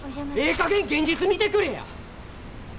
ええかげん現実見てくれや！